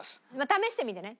試してみてね。